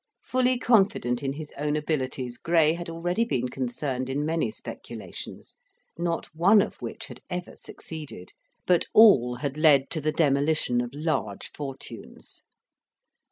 Fully confident in his own abilities, Gray had already been concerned in many speculations, not one of which had ever succeeded, but all had led to the demolition of large fortunes.